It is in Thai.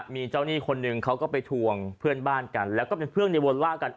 มีเจ้าหนี้คนหนึ่งเขาก็ไปทวงเพื่อนบ้านกันแล้วก็เป็นเพื่อนในวนล่ากัน